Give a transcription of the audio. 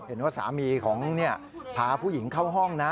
เห็นว่าสามีของพาผู้หญิงเข้าห้องนะ